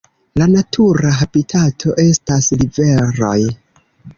La natura habitato estas riveroj.